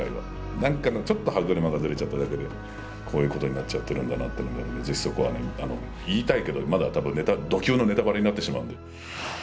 なんかのちょっと歯車がズレちゃっただけでこういうことになっちゃってるんだなというのがあるんでぜひそこは言いたいけどまだたぶんド級のネタバレになってしまうんで。